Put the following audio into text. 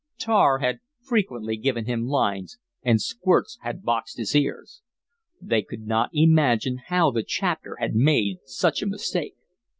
Tar had frequently given him lines, and Squirts had boxed his ears. They could not imagine how the Chapter had made such a mistake.